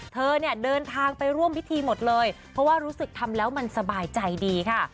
เธอเนี่ยเดินทางไปร่วมพิธีหมดเลยเพราะว่ารู้สึกทำแล้วมันสบายใจดีค่ะ